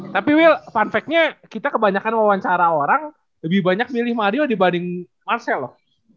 tapi wil fun factnya kita kebanyakan mewawancara orang lebih banyak milih mario dibanding marcel loh